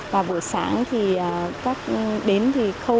và buổi sáng thì đến thì không